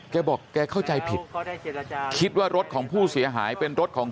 แกบอกแกเข้าใจผิดคิดว่ารถของผู้เสียหายเป็นรถของ